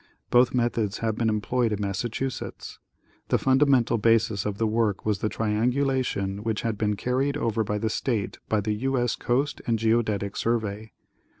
Both methods have been employed in Massachusetts. The funda mental basis of the work was the triangulation which had been carried over the state by the U. S. Coast and Geodetic Survey.